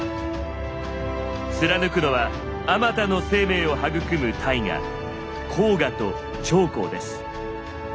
貫くのはあまたの生命を育む大河黄河と長江です。